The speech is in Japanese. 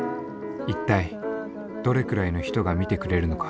一体どれくらいの人が見てくれるのか。